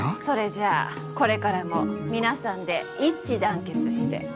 それじゃあこれからも皆さんで一致団結して。